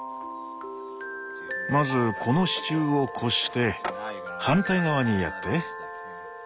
まずこの支柱を越して反対側にやって。